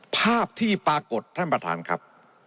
ภาพที่ปรากฏท่านประธานครับ